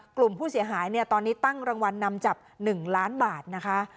กลุ่มผู้เสียหายเนี่ยตอนนี้ตั้งรางวัลนำจับ๑ล้านบาทนะคะ